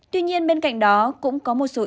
tuy nhiên bên cạnh đó cũng có một số